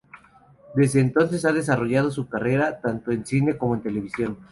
Desde entonces ha desarrollado su carrera tanto en cine como en televisión.